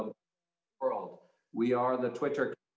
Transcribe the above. kita adalah kapital twitter